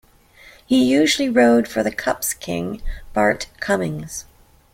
He usually rode for the "cups king" Bart Cummings.